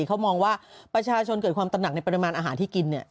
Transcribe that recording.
เขามองว่าประชาชนเกิดความตะหนักในประตำทานหาที่กินเนี่ย